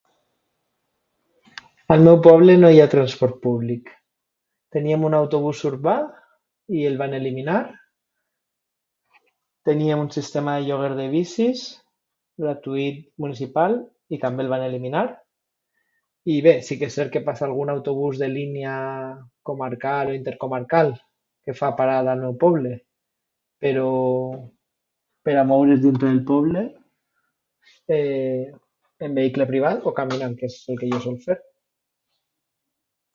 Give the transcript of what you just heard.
Al meu poble no hi ha transport públic, teníem un autobús urbà i el van eliminar; teníem un sistema de lloguer de bicis gratuït municipal i també el van eliminar. I bé, sí que és cert que passa algun autobús de línia comarcal o intercomarcal que fa parada al poble, però per a moure's dintre del poble, en vehicle privant o caminant, que és el que jo solc fer